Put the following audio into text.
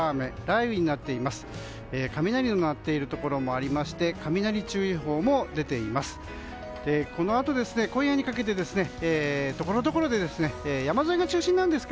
雷の鳴っているところもありまして雷注意報も出ています。